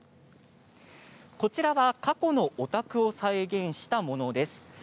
過去のお宅を再現したものです。